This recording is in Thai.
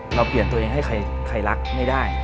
เราเปลี่ยนตัวเองให้ใครรักไม่ได้